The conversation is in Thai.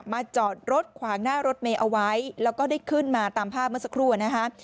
จอดรถขวางหน้ารถเมย์เอาไว้แล้วก็ได้ขึ้นมาตามภาพเมื่อสักครู่นะคะ